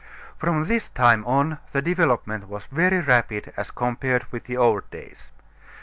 From this time on the development was very rapid as compared with the old days.